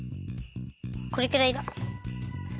これくらいだ！